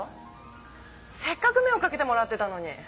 せっかく目を掛けてもらってたのに！